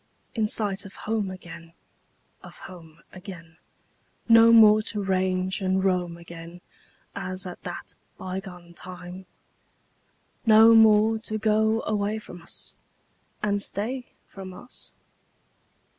In sight of home again, Of home again; No more to range and roam again As at that bygone time? No more to go away from us And stay from us?